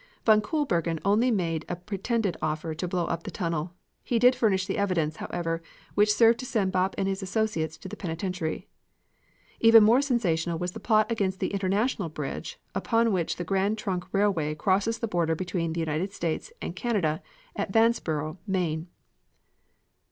Van Koolbergen only made a pretended effort to blow up the tunnel. He did furnish the evidence, however, which served to send Bopp and his associates to the penitentiary. Even more sensational was the plot against the international bridge upon which the Grand Trunk Railway crosses the border between the United States and Canada at Vanceboro, Me.